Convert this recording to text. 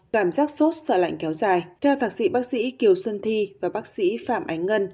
cảm giác sốt sợ lạnh kéo dài theo thạc sĩ bác sĩ kiều xuân thi và bác sĩ phạm ánh ngân